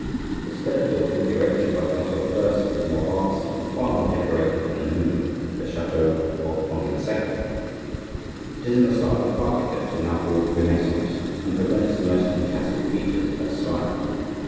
This third building erected by Francois I. is more vast and far more decorated than the Louvre, the chateau of Henri II. It is in the style of architecture now called Renaissance, and presents the most fantastic features of that style.